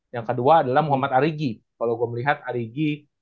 yang kedua adalah muhammad arigi